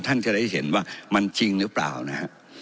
ท่านจะได้เห็นว่ามันจริงหรือเปล่านะฮะ